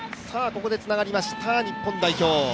ここでつながりました日本代表。